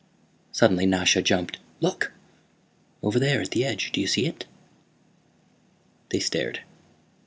Suddenly Nasha jumped. "Look! Over there, at the edge. Do you see it?" They stared.